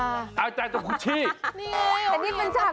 อันนี้เป็นจากกุชชา